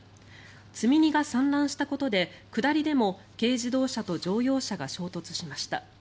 積み荷が散乱したことで下りでも軽自動車と乗用車が衝突しました。